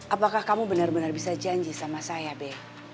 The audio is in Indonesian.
apakah kamu benar benar bisa janji sama saya be